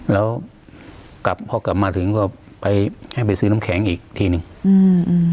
แล้วกลับพอกลับมาถึงก็ไปให้ไปซื้อน้ำแข็งอีกทีหนึ่งอืม